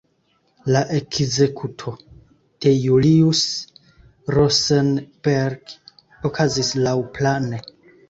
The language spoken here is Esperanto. La ekzekuto de Julius Rosenberg okazis laŭplane.